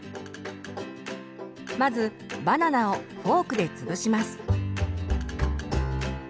まずバナナをフォークでつぶします。